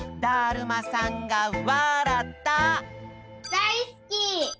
だいすき！